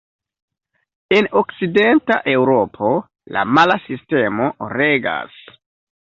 En okcidenta Eŭropo, la mala sistemo regas.